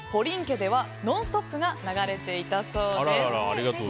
家では「ノンストップ！」が流れていたそうです。